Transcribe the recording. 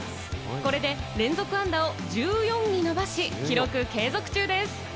これで連続安打を１４に伸ばし、記録継続中です。